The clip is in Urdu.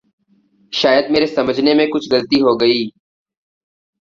شاید میرے سمجھنے میں کچھ غلطی ہو گئی۔